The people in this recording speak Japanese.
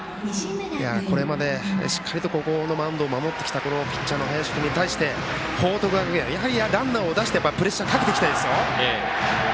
これまでしっかりと孤高のマウンドを守ってきたこのピッチャーの林君に対して報徳学園、ランナーを出してプレッシャーをかけていきたいですよ。